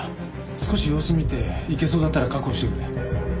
少し様子見ていけそうだったら確保してくれ。